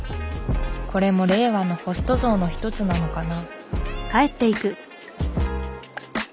これも令和のホスト像の一つなのかな。